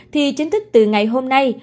thì chính thức từ ngày hôm nay